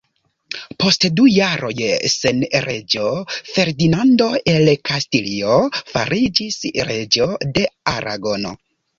Post du jaroj sen reĝo, Ferdinando el Kastilio fariĝis reĝo de Aragono.